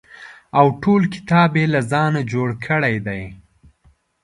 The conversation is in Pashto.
او ټول کتاب یې له ځانه جوړ کړی دی.